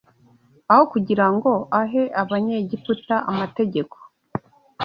Aho kugira ngo ahe Abanyegiputa amategeko